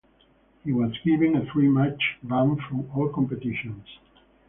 He was given a three-match ban from all competitions.